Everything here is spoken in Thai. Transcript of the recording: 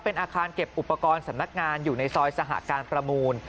เป็นอาคารเก็บอุปกรณ์สำนักงานอยู่ในซอยสหการประมูล